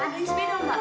aduh ini sepeda mbak